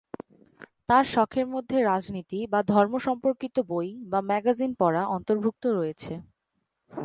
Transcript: তার শখের মধ্যে রাজনীতি বা ধর্ম সম্পর্কিত বই বা ম্যাগাজিন পড়া অন্তর্ভুক্ত রয়েছে।